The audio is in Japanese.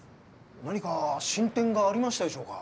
何か進展がありましたでしょうか？